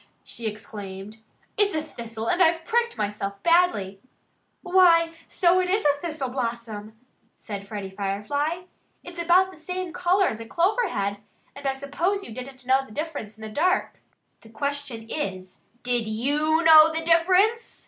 she exclaimed. "It's a thistle and I've pricked myself badly." "Why, so it is a thistle blossom!" said Freddie Firefly. "It's about the same color as a clover head; and I suppose you didn't know the difference in the dark." "The question is, did YOU know the difference?"